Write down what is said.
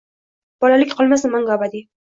Bolalik qolmasin mangu, abadiy.